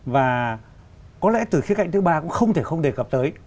và có lẽ từ khía cạnh thứ ba cũng không thể không đề cập tới